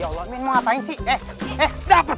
ya allah min mau ngapain ci eh eh